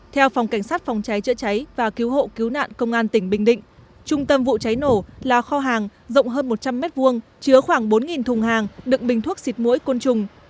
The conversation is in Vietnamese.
theo phòng cảnh sát phòng cháy chữa cháy và cứu hộ cứu nạn công an tỉnh bình định trung tâm vụ cháy nổ là kho hàng rộng hơn một trăm linh m hai chứa khoảng bốn thùng hàng đựng bình thuốc xịt mũi côn trùng